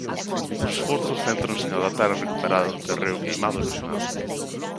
Os esforzos céntranse en adaptar e recuperar o terreo queimado e erosionado.